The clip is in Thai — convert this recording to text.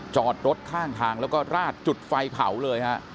จอดรถข้างทางแล้วก็ราดจุดไฟเผาเลยฮะ